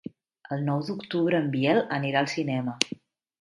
El nou d'octubre en Biel anirà al cinema.